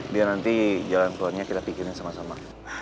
biar nanti jalan keluarnya kita pikirin sama sama